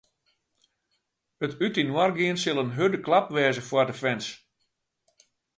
It útinoargean sil in hurde klap wêze foar de fans.